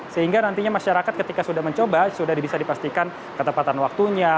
sehingga nantinya masyarakat ketika sudah mencoba sudah bisa dipastikan ketepatan waktunya